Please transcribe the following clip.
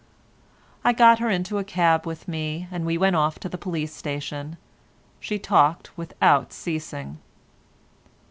I got her into a cab with me, and we went off to the police station. She talked without ceasing.